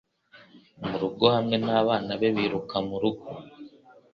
murugo hamwe nabana be biruka murugo